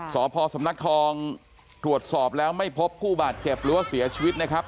สพสำนักทองตรวจสอบแล้วไม่พบผู้บาดเจ็บหรือว่าเสียชีวิตนะครับ